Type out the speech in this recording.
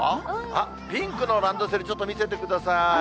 あっ、ピンクのランドセル、ちょっと見せてください。